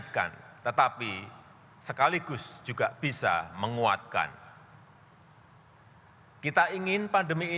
tetapi juga terjadi